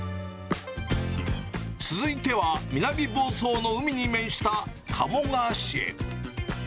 続いては、南房総の海に面した鴨川市へ。